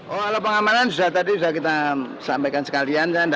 oh ala pengamanan sudah tadi kita sampaikan sekalian